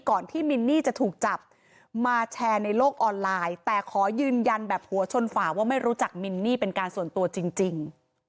ที่มินนี่จะถูกจับมาแชร์ในโลกออนไลน์แต่ขอยืนยันแบบหัวชนฝ่าว่าไม่รู้จักมินนี่เป็นการส่วนตัวจริง